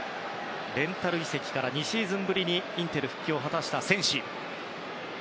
レンタル移籍から２シーズンぶりにインテル復帰を果たしたセンシ。